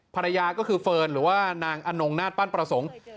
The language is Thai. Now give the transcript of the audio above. ภรรยาก็คือเฟิร์นหรือว่านางอนงนาฏปั้นประสงค์